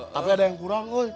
tapi ada yang kurang